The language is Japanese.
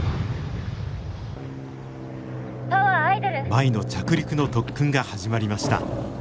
舞の着陸の特訓が始まりました。